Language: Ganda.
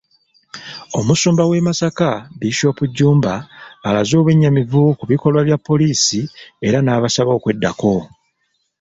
Omusumba w'e Masaka, Bishop Jjumba, alaze obwennyamivu ku bikolwa bya poliisi era n'abasaba okweddako.